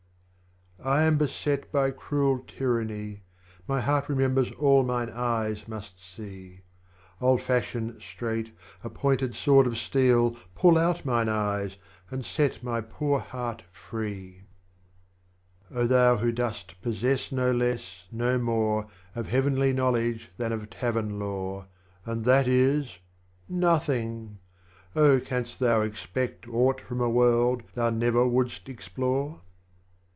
7. I am beset by cruel Tyranny, My heart remembers all mine Eyes must see, I'll fashion, straight, a pointed sword of steel. Tut out mine Eyes, and set my poor Heart free. r.r BABA TAHIR 8. thou who dost possess no less, no more, Of Heavenly Knowledge than of Tavern lore, And that is â€" Nothing ! Oh, canst thou expect Aught from a World thou never wouldst explore